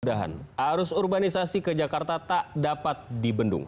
sudahan arus urbanisasi ke jakarta tak dapat dibendung